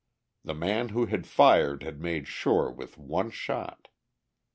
The man who had fired had made sure with one shot.